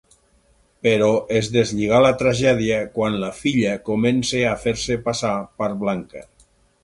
Però es deslliga la tragèdia quan la filla comença a fer-se passar per blanca.